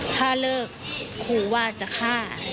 ถ้าเลิกครูว่าจะฆ่า